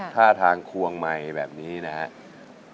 ท่าทางควงไมค์แบบนี้นะครับ